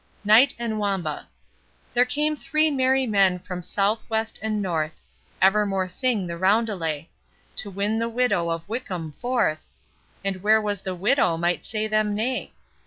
Knight and Wamba. There came three merry men from south, west, and north, Ever more sing the roundelay; To win the Widow of Wycombe forth, And where was the widow might say them nay?